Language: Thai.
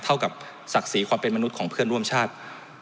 เท่ากับศักดิ์ศรีความเป็นมนุษย์ของเพื่อนร่วมชาติ